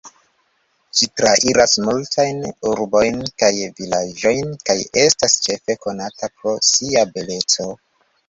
Ĝi trairas multajn urbojn kaj vilaĝojn kaj estas ĉefe konata pro sia beleco.